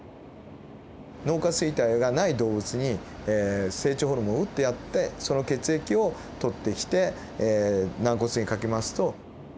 脳下垂体がない動物に成長ホルモンを打ってやってその血液を採ってきて軟骨にかけますと。